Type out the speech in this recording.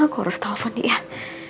aku harus telfon nih